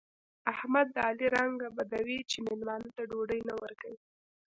احمد د علي رنګ بدوي چې مېلمانه ته ډوډۍ نه ورکوي.